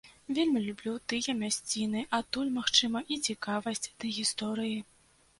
Вельмі люблю тыя мясціны, адтуль, магчыма і цікавасць да гісторыі.